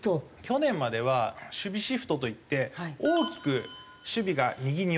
去年までは守備シフトといって大きく守備が右に寄る事ができたんですよ。